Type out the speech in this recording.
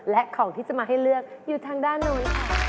และของที่จะมาให้เลือกอยู่ทางด้านนู้นค่ะ